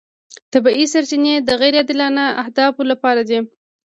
طبیعي سرچینې د غیر عادلانه اهدافو لپاره دي.